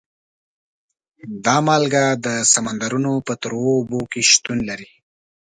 دا مالګه د سمندرونو په تروو اوبو کې شتون لري.